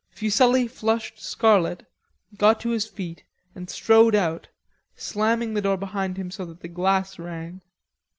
Fuselli flushed scarlet, got to his feet and strode out, slamming the door behind him so that the glass rang.